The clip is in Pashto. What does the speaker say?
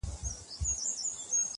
چي تر کومي اندازې مو قدر شان وو-